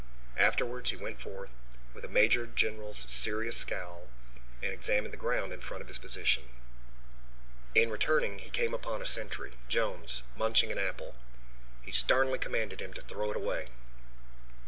Afterwards he went forth, with a major general's serious scowl, and examined the ground in front of his position. In returning he came upon a sentry, Jones, munching an apple. He sternly commanded him to throw it away.